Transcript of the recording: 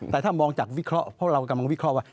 แต่ถ้ามองจากวิเคราะห์เพราะเรากำลังวิเคราะห์ว่า